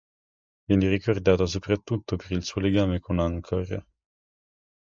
Viene ricordato soprattutto per il suo legame con Angkor.